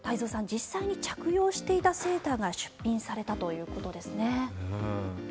実際に着用していたセーターが出品されたということですね。